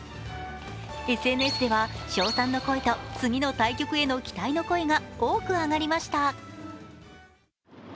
ＳＮＳでは称賛の声と次の対局への期待の声が多く上がりました。